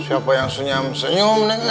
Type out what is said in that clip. siapa yang senyum senyum nih